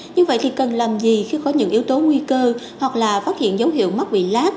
như vậy thì cần làm gì khi có những yếu tố nguy cơ hoặc là phát hiện dấu hiệu mắc bị lát